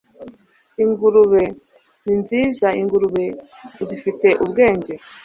ingurube ni nziza. ingurube zifite ubwenge